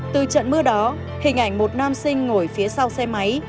từ trận mưa đó hình ảnh một nam sinh ngồi phía sau xe máy